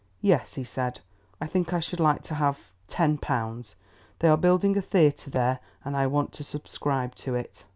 "Yes," he said, "I think I should like to have ten pounds. They are building a theatre there, and I want to subscribe to it."